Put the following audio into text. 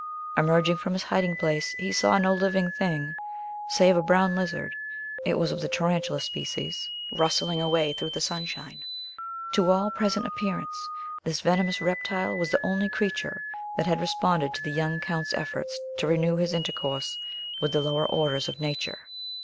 Emerging from his hiding place, he saw no living thing, save a brown lizard (it was of the tarantula species) rustling away through the sunshine. To all present appearance, this venomous reptile was the only creature that had responded to the young Count's efforts to renew his intercourse with the lower orders of nature.